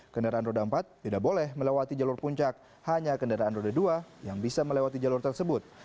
kendaraan roda empat tidak boleh melewati jalur puncak hanya kendaraan roda dua yang bisa melewati jalur tersebut